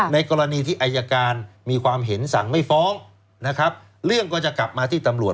ในกรณีที่อายการมีความเห็นสั่งไม่ฟ้องนะครับเรื่องก็จะกลับมาที่ตำรวจ